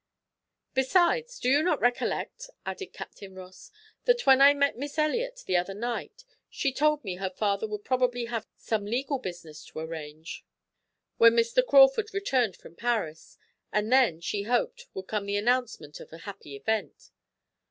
"Besides, do you not recollect," added Captain Ross, "that when I met Miss Elliot the other night she told me her father would probably have some legal business to arrange, when Mr. Crawford returned from Paris, and then, she hoped, would come the announcement of a happy event?